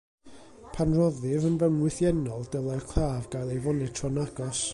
Pan roddir yn fewnwythiennol, dylai'r claf gael ei fonitro'n agos.